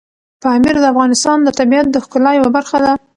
پامیر د افغانستان د طبیعت د ښکلا یوه برخه ده.